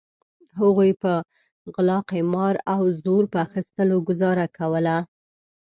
هغوی په غلا قمار او زور په اخیستلو ګوزاره کوله.